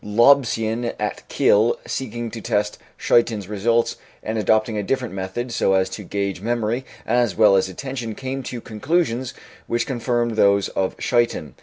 Lobsien, at Kiel, seeking to test Schuyten's results and adopting a different method so as to gauge memory as well as attention, came to conclusions which confirmed those of Schuyten.